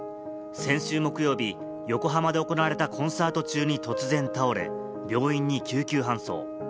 先週木曜日、横浜で行われたコンサート中に突然倒れ、病院に救急搬送。